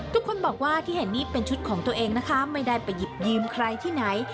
ทุกคนบอกว่าที่เห็นนี่เป็นชุดของตัวเองนะคะไม่ได้ไปหยิบยืมใครที่ไหน